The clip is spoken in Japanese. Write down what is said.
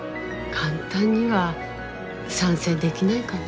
簡単には賛成できないかな。